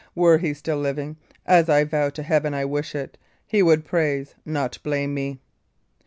"Were he still living as I vow to Heaven I wish it! he would praise, not blame me."